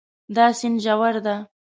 دا سیند ژور ده